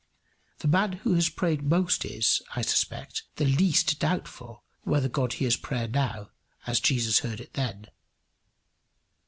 The man who has prayed most is, I suspect, the least doubtful whether God hears prayer now as Jesus heard it then.